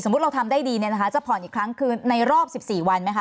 สมมุติว่าเราทำได้ดีจะผ่อนอีกครั้งคืนในรอบ๑๔วันไหมคะ